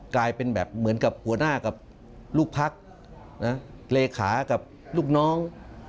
กลายเป็นแบบเหมือนกับหัวหน้ากับลูกพักเลขากับลูกน้อง